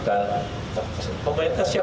dan kekualitas siapa